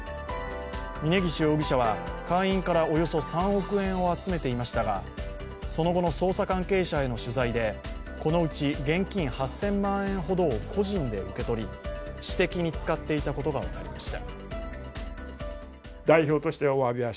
峯岸容疑者は会員からおよそ３億円を集めていましたが、その後の捜査関係者への取材でこのうち現金８０００万円ほどを個人で受け取り、私的に使っていたことが分かりました。